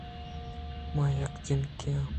من یک جنکے آں۔